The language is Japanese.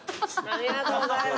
ありがとうございます。